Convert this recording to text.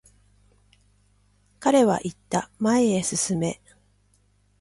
彼は言った、前へ進め。